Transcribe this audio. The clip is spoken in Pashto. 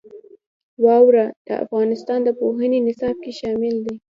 واوره د افغانستان د پوهنې په نصاب کې شامل دي.